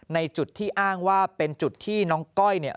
ในจุดที่อ้างว่าเป็นจุดที่น้องก้อยเนี่ย